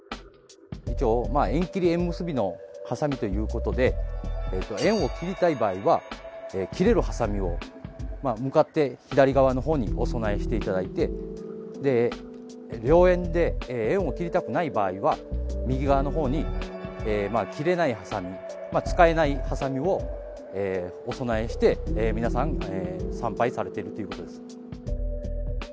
縁切り縁結びのハサミということで縁を切りたい場合は切れるハサミを向かって左側の方にお供えしていただいて良縁で縁を切りたくない場合は右側の方に切れないハサミ使えないハサミをお供えして皆さん参拝されているということです。